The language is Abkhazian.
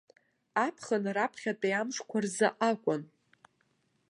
Аԥхын раԥхьатәи амшқәа рзы акәын.